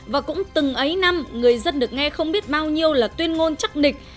và cũng từng ấy năm người dân được nghe không biết bao nhiêu là tuyên ngôn chắc nịch